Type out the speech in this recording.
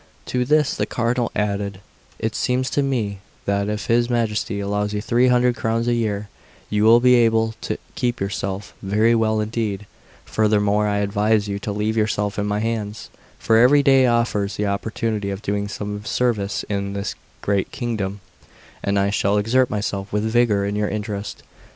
To this the Cardinal added: "It seems to me that if his Majesty allows you three hundred crowns a year, you will be able to keep yourself very well indeed, furthermore, I advise you to leave yourself in my hands, for every day offers the opportunity of doing some service in this great kingdom, and I shall exert myself with vigour in your interest."